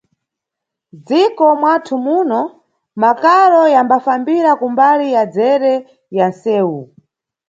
Nʼdziko mwathu muno, makaro yambafambira kumbali ya dzere ya nʼsewu.